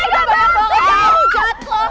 udah banyak banget yang ngehujat lo